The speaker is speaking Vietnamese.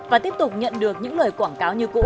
và tiếp tục nhận được những lời quảng cáo như cũ